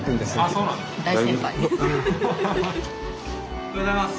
おはようございます。